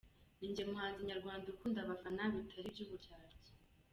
Ninjye muhanzi nyarwanda ukunda abafana bitari iby’uburyarya.